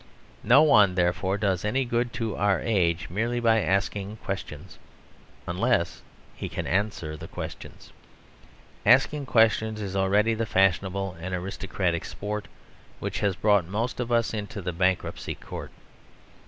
No one, therefore, does any good to our age merely by asking questions unless he can answer the questions. Asking questions is already the fashionable and aristocratic sport which has brought most of us into the bankruptcy court.